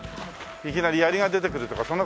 いきなり槍が出てくるとかそんな事はないですよね？